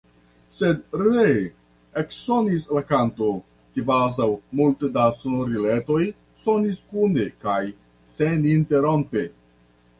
Sed ree eksonis la kanto, kvazaŭ multe da sonoriletoj sonis kune kaj seninterrompe.